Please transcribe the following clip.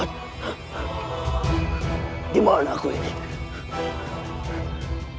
dari mana saja